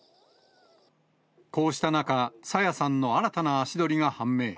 こうした中、朝芽さんの新たな足取りが判明。